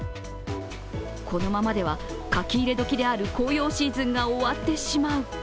このままでは書き入れ時である紅葉シーズンが終わってしまう。